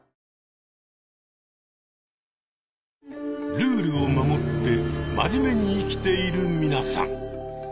ルールを守って真面目に生きている皆さん。